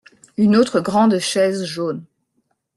Une autre grande chaise jaune.